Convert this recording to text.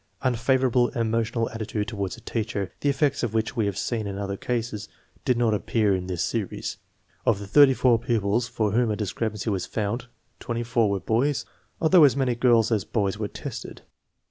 Unfavorable emotional attitude toward the teacher, the effects of which we have seen in other cases, did not appear in this series. Of the 34 pupils for whom a discrepancy was found, 24 were boys, although as many girls as boys were tested.